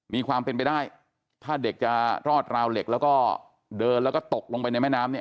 มีความเป็นไปได้ถ้าเด็กจะรอดราวเหล็กแล้วก็เดินแล้วก็ตกลงไปในแม่น้ำเนี่ย